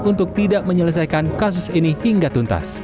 untuk tidak menyelesaikan kasus ini hingga tuntas